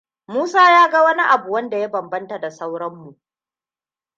Musa ya ga wani abu wanda ya bambanta da sauran mu.